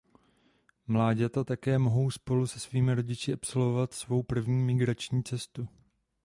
Mláďata také mohou spolu se svými rodiči absolvovat svou první migrační cestu.